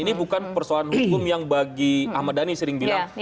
ini bukan persoalan hukum yang bagi ahmad dhani sering bilang